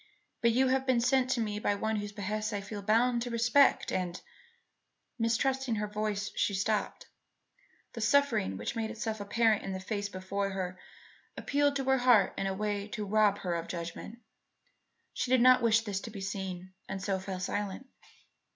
But you have been sent to me by one whose behests I feel bound to respect and " Mistrusting her voice, she stopped. The suffering which made itself apparent in the face before her appealed to her heart in a way to rob her of her judgment. She did not wish this to be seen, and so fell silent.